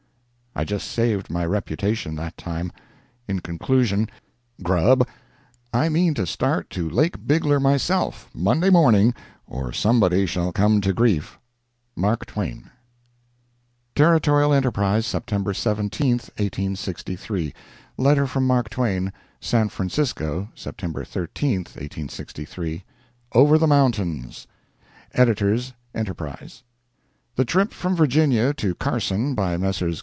I just saved my reputation that time. In conclusion, "Grub," I mean to start to Lake Bigler myself, Monday morning, or somebody shall come to grief. MARK TWAIN. Territorial Enterprise, September 17, 1863 LETTER FROM MARK TWAIN SAN FRANCISCO, September 13, 1863 OVER THE MOUNTAINS EDITORS ENTERPRISE: The trip from Virginia to Carson by Messrs.